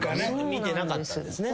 見てなかったんですね。